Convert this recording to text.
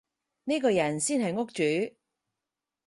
呢個人先係屋主